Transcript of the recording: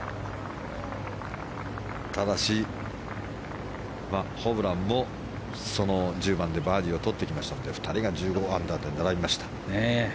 ただし、ホブランもその１０番でバーディーをとってきましたので２人が１５アンダーで並びました。